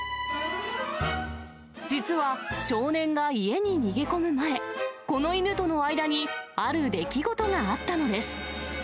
実は少年が家に逃げ込む前、この犬との間にある出来事があったのです。